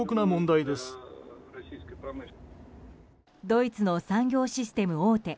ドイツの産業システム大手